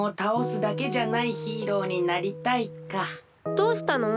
どうしたの？